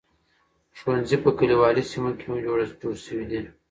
ښوونځي په کليوالي سیمو کې هم جوړ شوي دي.